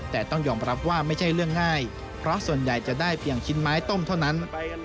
แต่ต้องยอมรับว่าไม่ใช่เรื่องง่ายเพราะส่วนใหญ่จะได้เพียงชิ้นไม้ต้มเท่านั้น